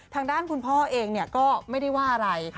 ทางด้านคุณพ่อเองก็ไม่ได้ว่าอะไร